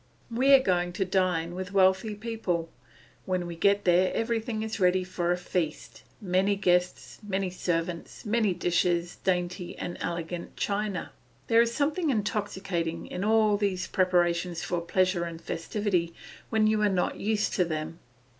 We are going to dine with wealthy people; when we get there everything is ready for a feast, many guests, many servants, many dishes, dainty and elegant china. There is something intoxicating in all these preparations for pleasure and festivity when you are not used to them.